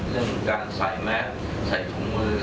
เรื่องการใส่แมสใส่ถุงมือ